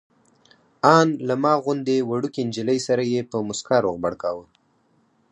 ان له ما غوندې وړوکې نجلۍ سره یې په موسکا روغبړ کاوه.